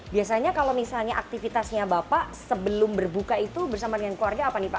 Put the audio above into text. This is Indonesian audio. biasanya kalau misalnya aktivitasnya bapak sebelum berbuka itu bersama dengan keluarga apa nih pak